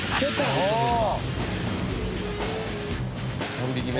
３匹目。